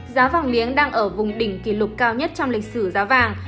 giá vàng miếng đang ở vùng đỉnh kỷ lục cao nhất trong lịch sử giá vàng